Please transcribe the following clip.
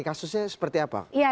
kasusnya seperti apa